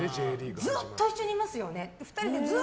ずっと一緒にいますよね。